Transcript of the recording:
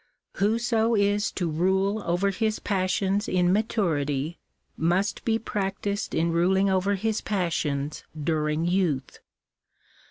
Whoso is to rule over his passions in maturity, must be practised in ruling over his passions during youth.